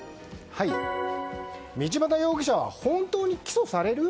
道端ジェシカ容疑者は本当に起訴される？